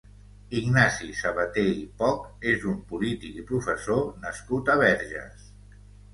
Ignasi Sabater i Poch és un polític i professor nascut a Verges.